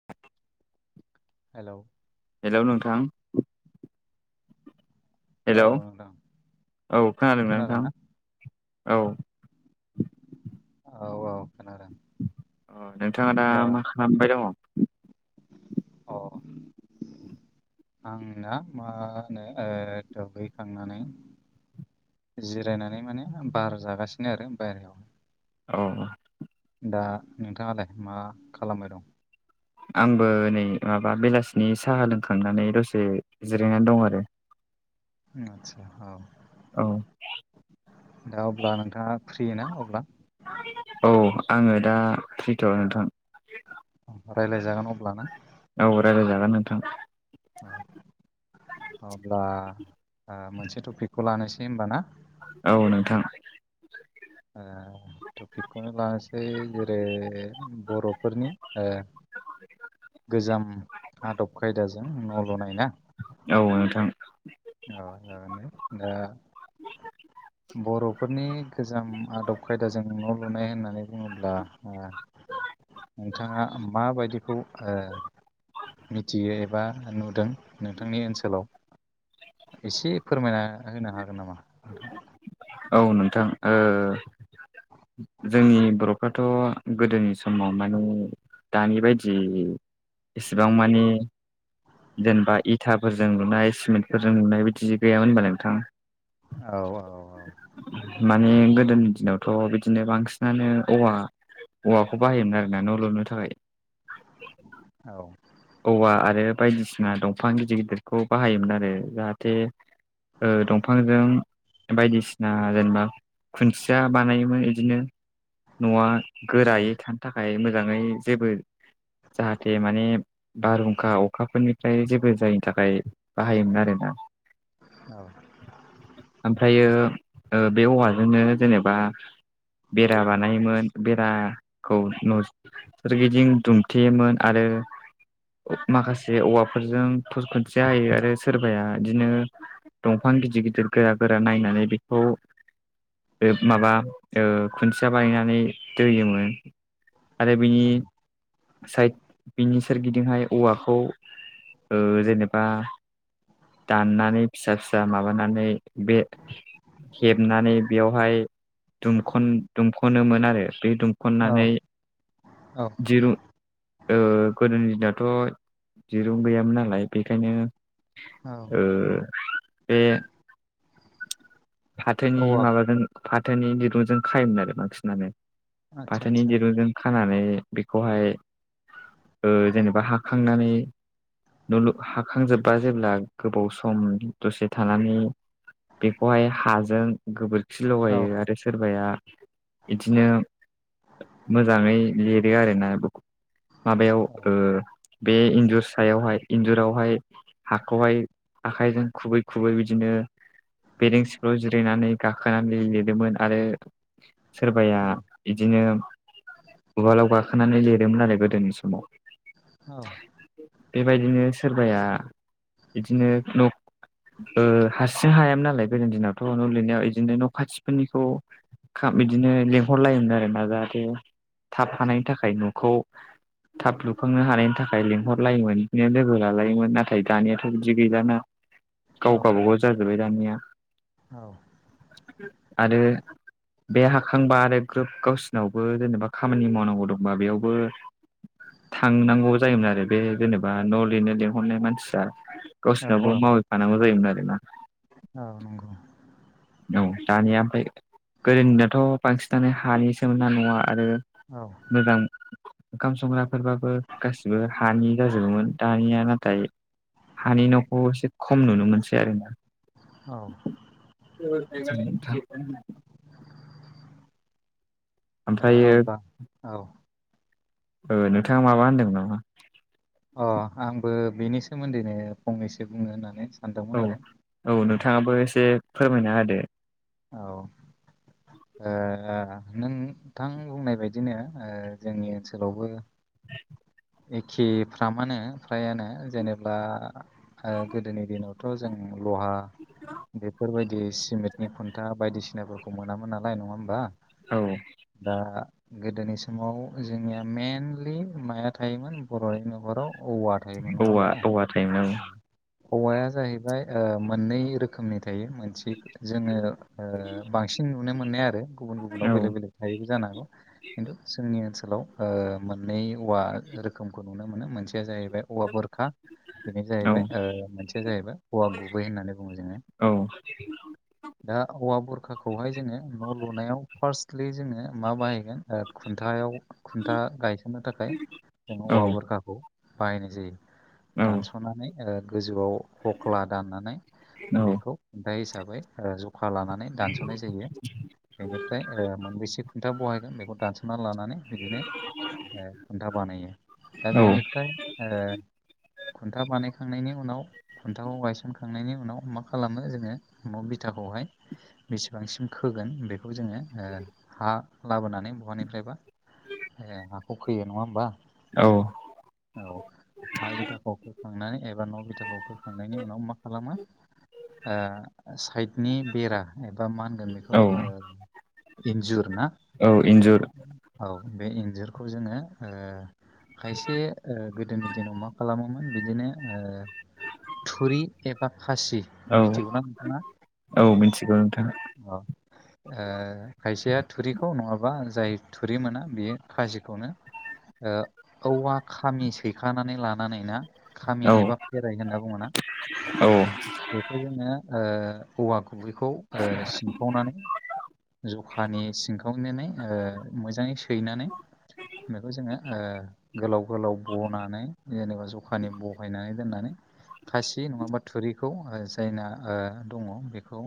[inaudible] Hello hello नोंथां hello औ खोनादोंना नोंथां औ औ औ खोनादों अ नोंथाङा दा मा खालामबाय दङ अ आंना मा होनो दुगैखांनानै जिरायनानै माने बार जागासिनो आरो बाहेरायाव औ दा नोंथाङालाय मा खालामबाय दं आंबो नै माबा बेलासिनि साहा लोंखांनानै दसे जिरायनानै दं आरो आचसा औ औ दा अब्ला नोंथाङा फ्रि ना अब्ला औ आङो दा फ्रिथ नोंथां रायज्लायजागोन अब्ला ना औ रायजो जागोन नोंथां अब्ला मोनसे टपिकखौ लानोसै होमबा ना औ नोंथां ओ टपिकखौनो लानोसै जेरै बर'फोरनि ओ गोजाम आदब खायदाजों न' ल'नाय ना औ नोंथां औ जागोननो दा बर'फोरनि गोजाम आदब खायदाजों न' लुनाय होननानै बुङोब्ला नोंथाङा माबायदिखौ मिथियो एबा नुदों नोंथांनि ओनसोलाव एसे फोरमायना होनो हागोन नामा नोंथाङा औ नोंथां जोंनि बर'फोर थ' गोदोनि समाव माने दानि बायदि इसिबां माने जेनेबा इथाफोरजों नुनाय सिमेन्टफोरजों नुनाय बिदि गैयामोन होनबालाय नोंथां औ औ औ माने गोदोनि दिनावथ' बिदिनो बांसिनानो औवा औवाखौ बाहायोमोन आरो ना न' लुनो थाखाय औ औवा आरो बायदिसिना दंफां गिदिर गिदिरखौ बाहायोमोन आरो जाहाथे दंफांजों बायदिसिना जेनेबा खुन्थिया बानायोमोन बिदिनो न'आ औ गोरायै थानो थाखाय मोजाङै जेबो जाहाथे माने बारहुंखा अखाफोरनिफ्राय जेबो जायैनि थाखाय बाहायोमोन आरोना ओमफ्रायो बे औवाजोंनो जेनेबा बेरा बानायोमोन बेराखौ न सोरगिदिं दुमथेयोमोन आरो ओ माखासे औवाफोरजों फस खुन्थिया होयो आरो सोरबाया इदिनो दंफां गिदिर गिदिर गोरा गोरा नायनानै बेखौ बे माबा ओ खुन्थिया बायनानै दैयोमोन। आरो बिनि औ सायथ बिनि सोरगिदिंहाय औवाखौ ओ जेनेबा दाननानै फिसा फिसा माबानानै बे हेबनानै बेयावहाय दुमख'न दुमख'नोमोन आरो बे औ दुमख'ननानै औ दिरुं ओ गोदोनि दिनथ' दिरुं गैयामोन नालाय बेखायनो औ ओ बे फाथोनि औवा माबाजों फाथोनि दिरुंजों खायोमोन आरो बांसिनानो। आदसा फाथोनि आदसा दिरुंजों खानानै बेखौहाय ओ जेनेबा हाखांनानै न' लु हाखांजोबबा जेब्ला गोबाव सम दसे थानानै बेखौहाय हाजों गोबोरखि औ लगायो। आरो सोरबाया इदिनो मोजाङै लिरो आरो ना माबायाव औ ओ बे इन्जुर सायावहाय इन्जुरावहाय हाखौहाय आखायजों खुबै खुबै बिदिनो बेरेंस ज' जिरायनानै गाखोनानै लिरदोंमोन आरो सोरबाया औ इदिनो उवालाव गाखोनानै लिरोमोन आरो गोदोनि समाव। औ बेबायदिनो सोरबाया इदिनो न' ओ हारसिं हायामोन नालाय गोदोनि दिनावथ' न' लिरनायाव इदिनो न' खाथिफोरनिखौ खा बिदिनो लेंहरलायोमोन आरोना जाहाथे थाब हानायनि थाखाय न'खौ थाब लुखांनो हानायनि थाखाय लिंहरलायोमोन बिदिनो लोगो लालायोमोन। नाथाय दानियाथ' बिदि गैलाना। गाव गाबा गाव जाजोबबाय दानिया। औ आरो बे हाखांबा आरो ग्रोब गावसिनावबो जेनेबा खामानि मावनांगौ दंबा बेयावबो थांनांगौ जायोमोन आरो बे जेनेबा न' लिरनो लिंहरनाय मानसिया गावसोनावबो माहैफानांगौ जायोमोन आरो ना। ओं नोंगौ। औ दानिया ओमफाय गोदोनियाथ' बांसिनानो हानि सोमोनना न'आ आरो औ मोजां ओंखाम संग्राफोरबाबो गासिबो हानि जाजोबोमोन। दानिया नाथाय हानि न'खौ एसे खम नुनो मोनसै आरो ना। औ [unintelligible] दे ओमफ्रायो अ'बबा औ ओ नोंथाङा माबा होनदोंमोन नामा? अ' आंबो बेनि सोमोन्दैनो फंनैसो बुंनो होननानै सानदोंमोन औ आरो औ उम, नोंथाङाबो एसे फोरमायना होदो। औ ओ आ नोंथां बुंनाय बायदिनो ओ जोंनि ओनसोलावबो एखे फ्रामानो फ्रायानो जेनेब्ला ओ गोदोनि दिनाव थ' जों लहा बेफोरबायदि सिमेटनि खुन्था बायदिसिना फोर खौ मोनामोन नालाय नङा होमबा? औ दा गोदोनि समाव जोंनिया मेनलि माया थायोमोन बर'नि न'खराव औवा थायोमोन नङा औवा होमबा औवा थायोमोन हौवाया जाहैबाय ओ मोननै रोखोमनि थायो थि जोङो ओ बांसिन नुनो मोननाया आरो गुबुन गुबुनाव औ बेलेग बेलेग थायोबो जानो हागौ खिन्थु जोंनि ओनसोलाव मोननै औवा रोखोमखौ नुनो मोनो मोनसेया जाहैबाय औवा बुरखा बेनो औ जाहैबाय ओ मोनसे सेया जाहैबाय हौवा गुबै होननानै बुङो जोङो औ दा औवा बुरखाखौहाय जोङो न' लुनायाव फार्स्टलि जोङो मा बाहाय [unintelligible] ओ खुन्थायाव खुन्था गायसननो थाखाय जों औ औवा बुरखाखौ बाहायनाय जायो औ दानस'नानै ओ गोजौआव हख्ला दाननानै औ बेखौ [unintelligible] हिसाबै जखा लानानै दानस'नाय जायो बेनिफ्राय ओ मोनबेसे खुन्था बहायगोन बेखौ दानस'ना लानानै बिदिनो ओ खुन्था बानायो दा बेनिफ्राय ओ खुन्था बानायखांनायनि उनाव खुन्थाखौ गायसनखांनायनि उनाव मा खालामो जोङो न' बिथाखौहाय बेसेबांसिम खोगोन बेखौ जोङो ओ हा लाबोनानै बहानिफ्रायबा ए हाखौ खोयो नङा होमबा औ औ हा बिथाखौ खोखांनानै एबा न' बिथाखौ खोखांनायनि उनाव मा खालामो ओ साइडनि बेरा एबा मा होनगोन औ बेखौ ओ इन्जुर ना औ इन्जुर औ बे इन्जुरखौ जोङो ओ खायसे ओ गोदोनि दिनाव मा खालामोमोन बिदिनो ओ थुरि एबा फासि औ मिथिगौ ना नोंथाङा औ मिथिगौ नोंथां अ ओ खायसेया थुरिखौ नङाबा जाय थुरि मोना बेयो खाजिखौनो ओ औवा खामि सैखानानै लानानै ना खामि औ एबा फेरायो होनना बुङोना औ बेखौ जोङो ओ औवा गुबैखौ ओ सिनखावनानै जखानि सिनखावनानै ओ मोजाङै सैनानै बेखौ जोङो ओ गोलाव गोलाव बनानै जेनेबा जखानि बहायनानै दोननानै खासि नङाबा थुरिखौ ओ जायना ओ दङ बेखौ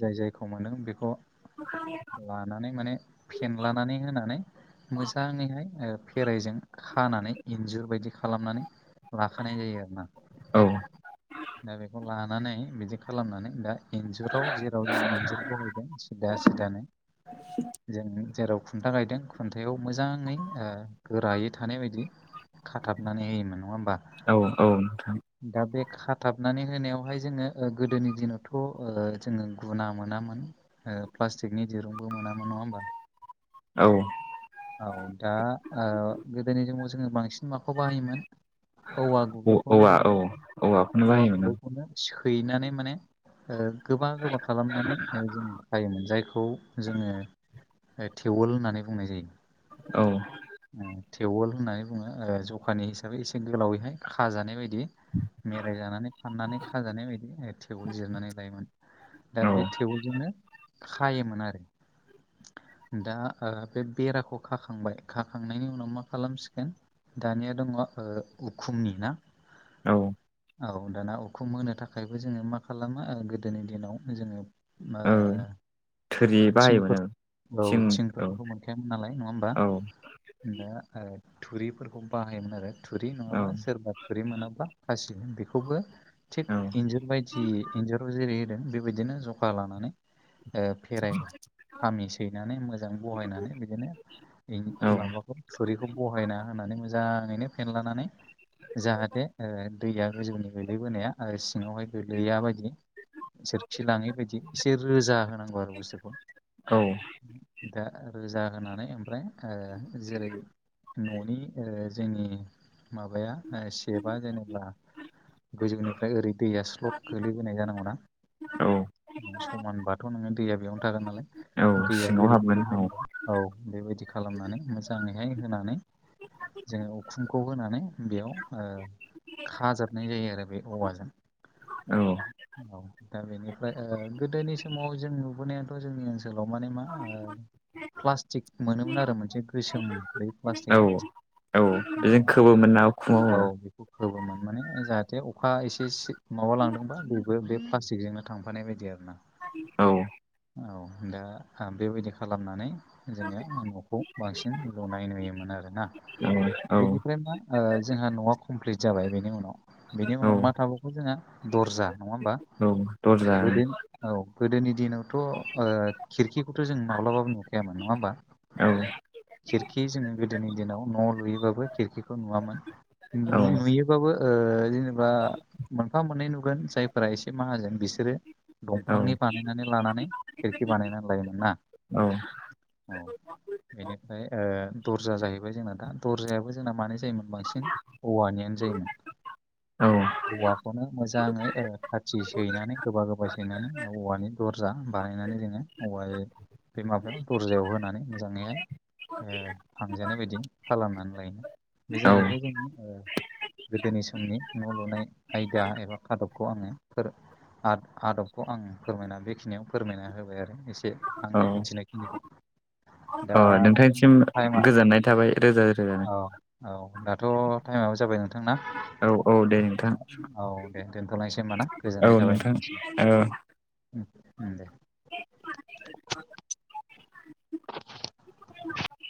जाय जायखौ मोनो बेखौ लानानै माने फेनलानानै होनानै मोजाङैहाय ओ फेराइजों खानानै इन्जुर बायदि खालामनानै लाखानाय जायो आरोना औ दा बेखौ लानानै बिदि खालामनानै दा इन्जुराव जेराव जों इन्जुर बहायगोन सिदा सिदानै जों जेराव खुन्था गायदों खुन्थायाव मोजाङै ओ गोरायै थानाय बायदि खाथाबनानै होयोमोन नङा होमबा औ औ नोंथां दा बे खाथाबनानै होनायावहाय जोङो ओ गोदोनि दिनावथ' ओ जोङो गुना मोनामोन ओ प्लास्टिकनि दिरुंबो मोनामोन नङा होमबा औ औ दा ओ गोदोनि समाव जोङो बांसिन माखौ बाहायोमोन औवा गुबैखौनो औवा औ जोङो औवाखौनो औवा बाहायोमोन आं गुबैखौनो सैनानै माने ओ गोबा गोबा खालामनानै [unintelligible] जों खायोमोन जायखौ जोङो ओ थेवोल होननानै बुंनाय जायो औ थेवोल होननानै बुङो ओ जखानि हिसाबै एसे गोलावैहाय खाजानाय बायद बिदि मेराय जानानै फाननानै खाजानाय बायदि थेवबोल जिरनानै लायोमोन दा औ बे थेवजोंनो खायोमोन आरो दा ओ बे बेराखौ खाखांबाय खाखांनायनि उनाव मा खालामसिगोन दानिया दङ ओ उखुमनि ना औ। औ दाना उखुम होनो थाखायबो जोङो मा खालामो ओ‌ गोदोनि दिनाव जोङो ओ औ थोरि बाहायोमोन थिंफोर आं औ थिंफोरखौथ' मोनखायामोन नालाय नङा हो औ। दा ओ‌ थुरिफोरखौ बाहायोमोन आरो थुरि औ नङाबा सोरबा थुरि मोनाब्ला फासि बेखौबो थिक औ इन्जुर बाय जि एन्जराव जेरै होदों बेबायदिनो जखा लानानै फेराइ खामि सैनानै मोजां बहायनानै बिदिनो [unintelligible] माबाखौ थुरिखौ बहायना होननानै मोजाङैनो फेनलानानै जाहाथे ओ दैया गोजौनि गोलैबोनाया आरो सिङावहाय गोलैया बायदि सोरखि लाङै बायदि एसे रोजा होनांगौ आरो बुस्थुखौ औ। दा रोजा होनानै ओमफ्राय ओ जेरै न'नि ओ जोंनि माबाया ओ सेबआ जेनेबा गोजौनिफ्राय ओरै दैया स्लद गो्लैबोनाय जानांगौ ना। औ समानबाथ' नोङो दैया बेयावनो थागोन नालाय औ दैया सिङाव जेरै हाबगोन औ गोलैगोन औ बेबायदि खालामनानै मोजाङैहाय होनानै जोङो उखुमखौ होनानै बेयाव खाजाबनाय जायो आरो बे औवाजों। औ। औ दा बेनिफ्राय ओ गोदोनि समाव जों नुबोनायाथ' जोंनि ओनसोलाव माने मा प्लास्टिक मोनोमोन आरो मोनसे गोसोम बै औ प्लास्टिकआ औ दा इजों खबोमोन ना उखुमाव। औ बेखौ खबोमोन माने जाहाथे अखा एसे सि माबा लांदोंबा बेबो बे प्लास्टिक जोंनो थांफानाय बायदि आरो ना औ। औ दा आ बेबायदि खालामनानै जोङो न'खौ बांसिन लुनाय नुयोमोन आरोना औ औ बेनिफ्राय मा ओ जोंहा न'आ कमप्लिट जाबाय बेनि उनाव बेनि औ उनाव मा थाबावखौ जोंहा दर्जा नङा होमबा औ दरजा गोदोनि औ गोदोनि दिनावथ' ओ खिरखिखौथ' जों माब्लाबाबो नुखायामोन नङाहोमबा? औ खिरखि जोङो गोदोनि दिनाव न' लुयोबाबो खिरखिखौ नुवामोन औ लु नुयो बाबो ओ जेनेबा मोनफा मोननै नुगोन जायफोरा एसे माहाजोन बिसोरो दंफांनि बानायनानै लानानै खिरखि बानायनानै लायोमोन ना औ। औ बेनिफ्राय ओ दर्जा जाहैबाय जोंना दा दर्जायाबो जोंना मानि नि जायोमोन बांसिन औवानियानो जायोमोन औ औवखौनो मो मोजाङै खाथि सैनानै गोबा गोबा सैनानै औवानि दरजा बानायनानै जोङो औवा बे माबायाव दरजायाव होनानै मोजाङैहाय ओ फांजानाय बायदि खालामनानै लायोन बे औ जाहैबाय जोंनि ओ गोदोनि समनि न' लुनाय आयदा एबा आदबखौ आङो फोर आं आदबखौ आं फोरमायना बेखिनियाव फोरमायना होबाय आरो एसे औ। बिनिखौ दा अ नों नोंथांनिसिम टाइमा गोजोननाय थाबाय रोजा रोजा औ औ दाथ टाइमआबो जाबाय नोंथांना? औ औ दे नोंथां औ दे दोनथ'नायसै होमबाथ ना औ गोजोननाय थाबाय नोंथां नोंथांनिसिम औ ओं दे [unintelligible]